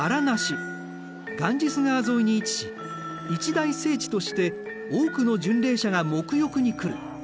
ガンジス川沿いに位置し一大聖地として多くの巡礼者が沐浴に来る。